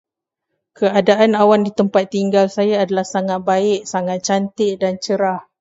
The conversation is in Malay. Keadaan awan di tempat tinggal saya adalah sangat baik, sangat cantik dan cerah.